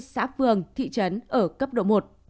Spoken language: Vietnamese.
một trăm chín mươi xã phường thị trấn ở cấp độ một